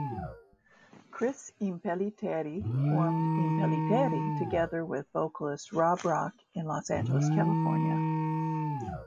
Chris Impellitteri formed Impellitteri together with vocalist Rob Rock in Los Angeles, California.